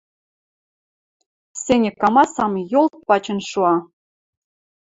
Сеньӹк амасам йолт пачын шуа.